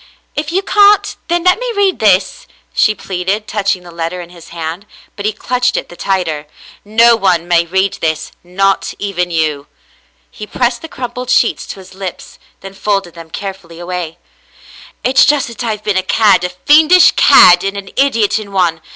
If you can't, then let me read this," she pleaded, touching the letter in his hand; but he clutched it the tighter. "No one may read this, not even you." He pressed the crumpled sheets to his lips, then folded them care fully away. "It's just that I've been a cad — a fiendish cad and an idiot in one.